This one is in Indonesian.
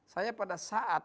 saya pada saat